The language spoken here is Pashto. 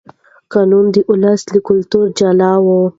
قانون د ولس له کلتوره جلا و.